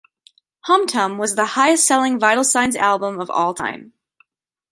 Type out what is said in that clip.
"Hum Tum" was the highest selling Vital Signs album of all time.